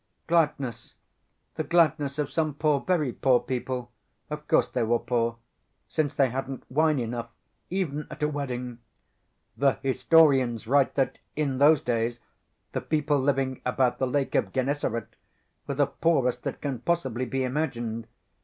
Gladness, the gladness of some poor, very poor, people.... Of course they were poor, since they hadn't wine enough even at a wedding.... The historians write that, in those days, the people living about the Lake of Gennesaret were the poorest that can possibly be imagined